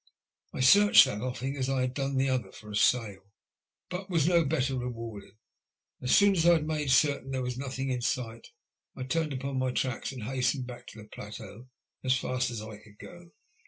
I searched that offing, as I had done the other, for a sail, but was no better rewarded. As soon as I had made certain that there was nothing in sight, I turned upon my tracks and hastened back to the plateau as fast as I could go.